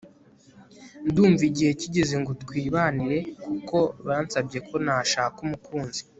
ndumva igihe kigeze ngo twibanire kuko bansabye ko nashaka umukunzi